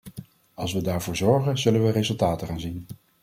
Als we daarvoor zorgen zullen we resultaten gaan zien.